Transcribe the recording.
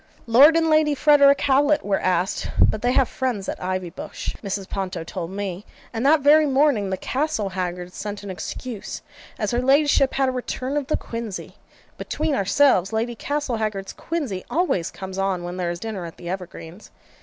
'Lord and Lady Frederick Howlet were asked, but they have friends at Ivybush,' Mrs. Ponto told me; and that very morning, the Castlehaggards sent an excuse, as her ladyship had a return of the quinsy. Between ourselves, Lady Castlehaggard's quinsy always comes on when there is dinner at the Evergreens.